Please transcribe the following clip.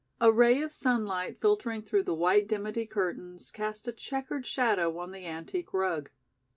A ray of sunlight filtering through the white dimity curtains cast a checkered shadow on the antique rug.